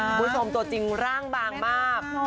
คุณผู้ชมตัวจริงร่างบางมาก